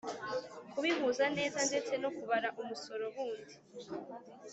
Kubihuza neza ndetse no kubara umusoro bundi